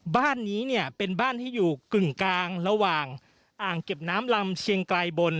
บ้านนี้เนี่ยเป็นบ้านที่อยู่กึ่งกลางระหว่างอ่างเก็บน้ำลำเชียงไกลบน